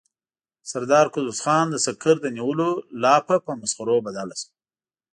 د سردار قدوس خان د سکر د نيولو لاپه په مسخرو بدله شوه.